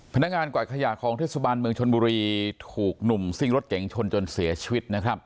พนักงานกวาดขยะของเทศบาลเมืองชนบุรีถูกหนุ่มซิ่งรถเก๋งชนจนเสียชีวิตนะครับ